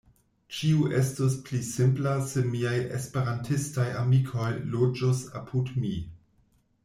Ĉio estus pli simpla se miaj Esperantistaj amikoj loĝus apud mi.